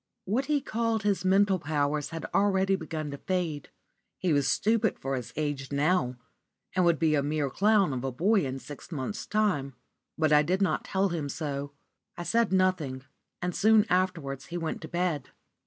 What he called his mental powers had already begun to fade. He was stupid for his age now, and would be a mere clown of a boy in six months' time. But I did not tell him so. I said nothing; and soon afterwards he went to bed.